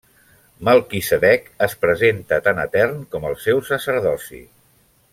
Melquisedec es presenta tan etern com el seu sacerdoci.